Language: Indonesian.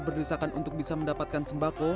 berdesakan untuk bisa mendapatkan sembako